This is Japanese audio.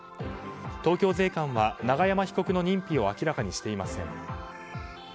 東京税関は長山被告の認否を明らかにしていません。